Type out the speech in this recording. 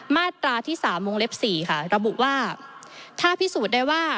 มาตราที่๓วงเล็บ๔ค่ะระบุว่าถ้าพิสูจน์ได้ว่า